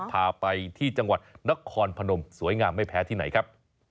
พาไปที่จังหวัดนครพนมสวยงามไม่แพ้ที่ไหนครับ